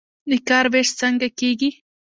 د کار ویش څنګه کیږي؟